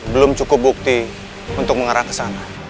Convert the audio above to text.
belum cukup bukti untuk mengarah ke sana